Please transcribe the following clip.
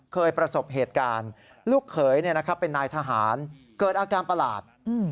เคยประสบเหตุการณ์ลูกเขยเป็นนายทหารเกิดอาการประหลาด